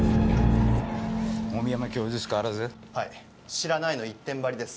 「知らない」の一点張りです。